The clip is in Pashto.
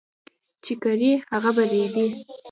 چي کرې، هغه به رېبې.